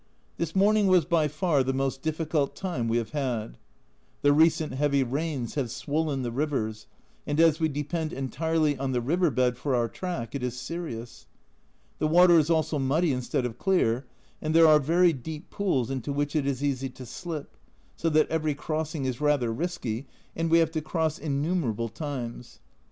This morning was by far the most difficult time we have had. The recent heavy rains have swollen the rivers, and as we depend entirely on the river bed for our track, it is serious. The water is also muddy instead of clear, and there are very deep pools into which it is easy to slip, so that every crossing is rather risky, and we have to cross innumerable times.